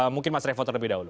mungkin mas revo terlebih dahulu